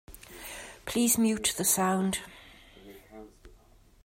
Please mute the sound.